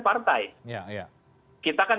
partai kita kan